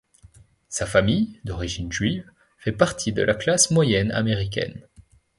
Sa famille, d'origine juive, fait partie de la classe moyenne américaine.